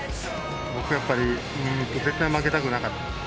僕はやっぱり絶対負けたくなかった。